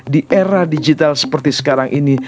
di era digital seperti sekarang ini